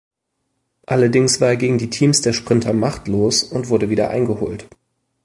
Allerdings war er gegen die Teams der Sprinter machtlos und wurde wieder eingeholt.